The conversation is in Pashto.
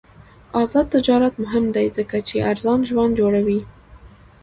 آزاد تجارت مهم دی ځکه چې ارزان ژوند جوړوي.